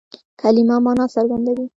کلیمه مانا څرګندوي.